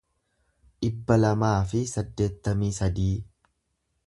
dhibba lamaa fi saddeettamii sadii